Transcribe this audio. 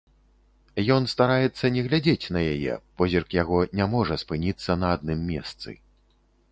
Ён стараецца не глядзець на яе, позірк яго не можа спыніцца на адным месцы.